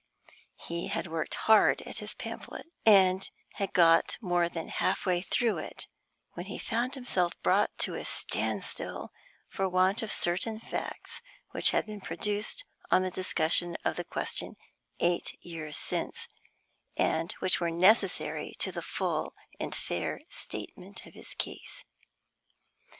He had worked hard at his pamphlet, and had got more than half way through it, when he found himself brought to a stand still for want of certain facts which had been produced on the discussion of the question eight years since, and which were necessary to the full and fair statement of his case.